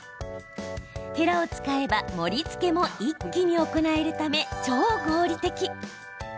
へらを使えば盛りつけも一気に行えるため、超合理的。